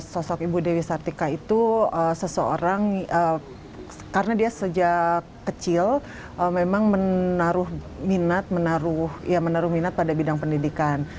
sosok ibu dewi sartika itu seseorang karena dia sejak kecil memang menaruh minat menaruh minat pada bidang pendidikan